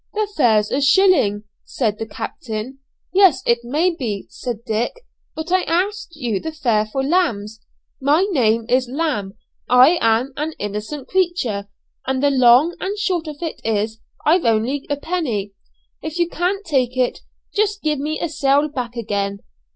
'The fare's a shilling,' said the captain. 'Yes, it may be,' said Dick, 'but I asked you the fare for lambs. My name is Lamb; I'm an innocent creature, and the long and the short of it is I've only a penny. If you can't take it, just give me a sail back again.'